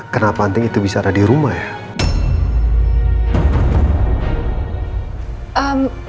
kenapa anting itu bisa ada di rumah ya